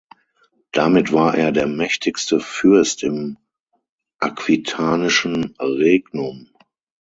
Damit war er der mächtigste Fürst im aquitanischen Regnum.